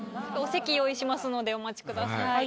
お席用意しますのでお待ちください。